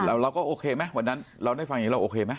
แล้วเราก็โอเคไหมวันนั้นได้ฟังเราโอเคมั้ย